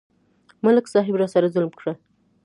ملک صاحب راسره ظلم کړی.